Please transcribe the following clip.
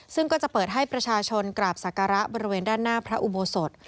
ซึ่งก็จะเปิดให้ประชาชนกราบศักระบริเวณด้านหน้าพระอุโบสถ